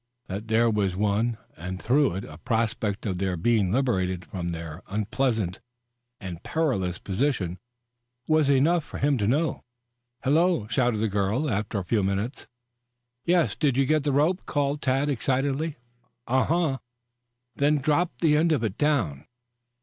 That there was one and through it a prospect of their being liberated from their unpleasant and perilous position, was enough for him to know. "Hello," shouted the girl after a few minutes. "Yes, did you get the rope?" called Tad excitedly. "Uh huh." "Then drop the end of it down."